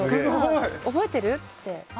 覚えてる？って。